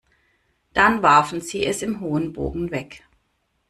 Dann warfen sie es im hohen Bogen weg.